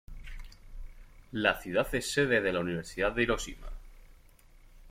La ciudad es sede de la Universidad de Hiroshima.